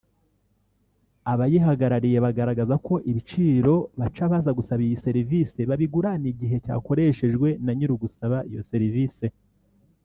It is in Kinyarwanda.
abayihagarariye bagaragaza ko ibiciro baca abaza gusaba iyi serivise babigurana igihe cyagakoreshejwe na nyir’ugusaba iyo serivise